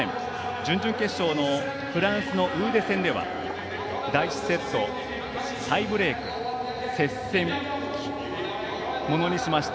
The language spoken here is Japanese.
準々決勝のフランスのウーデ戦では第１セット、タイブレーク、接戦ものにしました。